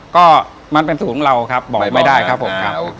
ก็มันเป็นสูตรของเราครับบอกไม่ได้ครับผมครับ